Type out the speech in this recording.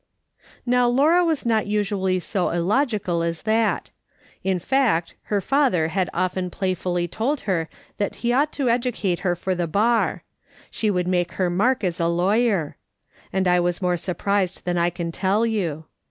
" Now Laura was not usually so illogical as that ; in fact, her father had often playfully told her that he ought to educate her for the bar; she would make her mark as a lawyer ; and I was more surprised than I can tell you.